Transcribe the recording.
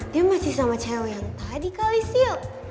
dia masih sama cewek yang tadi kali silk